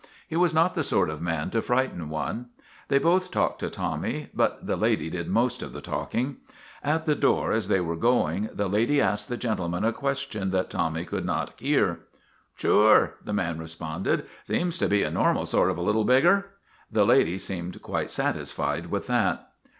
He was not the sort of man to frighten one. They both talked to Tommy, but the lady did most of the talk ing. At the door, as they were going, the lady asked the gentleman a question that Tommy could not hear. " Sure," the man responded. " Seems to be a normal sort of a little beggar." The lady seemed quite satisfied with that.